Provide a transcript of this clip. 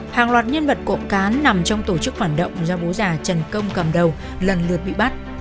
hàng loạt nhân vật cộng cán nằm trong tổ chức phản động do bố già trần công cầm đầu lần lượt bị bắt